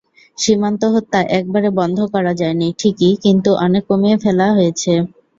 সীমান্ত হত্যা একবারে বন্ধ করা যায়নি ঠিকই কিন্তু অনেক কমিয়ে ফেলা হয়েছে।